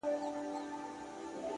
دې يوه لمن ښكلا په غېږ كي ايښې ده ـ